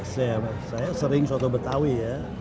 saya sering soto betawi ya